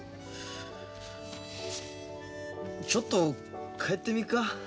ちょっと帰ってみるか。